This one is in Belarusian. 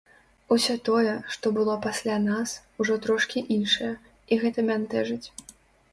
Усё тое, што было пасля нас, ужо трошкі іншае, і гэта бянтэжыць.